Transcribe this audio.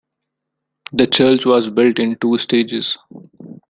The church was built in two stages.